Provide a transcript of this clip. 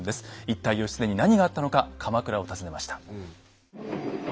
一体義経に何があったのか鎌倉を訪ねました。